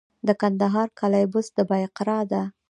د کندهار قلعه بست د بایقرا ده